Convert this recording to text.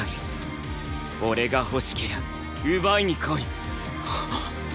俺が欲しけりゃ奪いに来い。